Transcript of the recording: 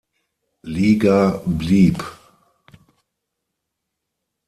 Liga blieb.